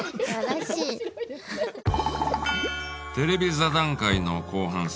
テレビ座談会の後半戦。